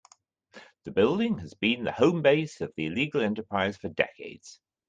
The building has been the home base of the illegal enterprise for decades.